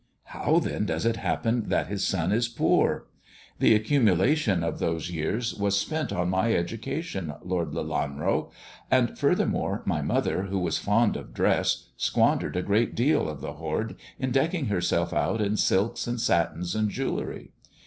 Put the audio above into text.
" How, then, does it happen that his son is poor ]" "The accumulation of those years was spent on my education. Lord Lelanro ; and furthermore, my mother, who was fond of dress, squandered a great deal of the hoard in decking herself out in silks and satins and jewellery.